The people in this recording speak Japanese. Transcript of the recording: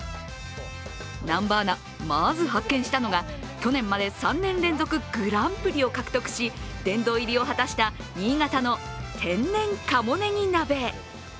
南波アナ、まず発見したのが去年まで３年連続グランプリを獲得し殿堂入りを果たした新潟の天然鴨ネギ鍋。